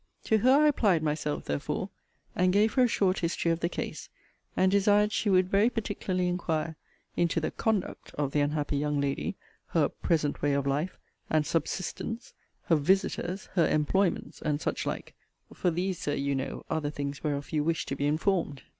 To her I applied myself, therefore, and gave her a short history of the case, and desired she would very particularly inquire into the 'conduct' of the unhappy young lady; her 'present way of life' and 'subsistence'; her 'visiters,' her 'employments,' and such like: for these, Sir, you know, are the things whereof you wished to be informed.